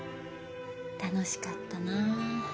楽しかったな。